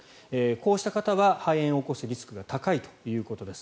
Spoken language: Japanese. こうした方は肺炎を起こすリスクが高いということです。